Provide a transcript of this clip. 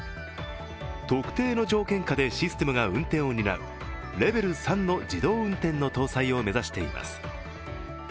特定の条件下でシステムが運転を担うレベル３の自動運転の搭載を目指しています。